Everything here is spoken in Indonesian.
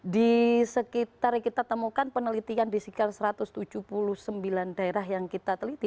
di sekitar kita temukan penelitian di sekitar satu ratus tujuh puluh sembilan daerah yang kita teliti